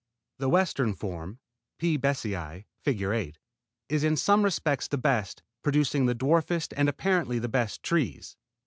The western form (P. besseyi) (Fig. 8) is in some respects the best, producing the dwarfest and apparently the best trees.